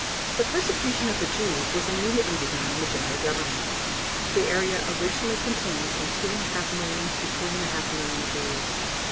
The persecution of the Jews was immediately begun in the General Government. The area originally contained from 2½ million to 3½ million Jews.